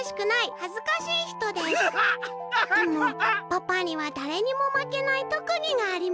「でもパパにはだれにもまけないとくぎがあります。